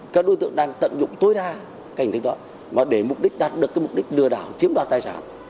các đối tượng đang tận dụng tối đa cảnh thức đó để đạt được mục đích lừa đảo chiếm đoạt tài sản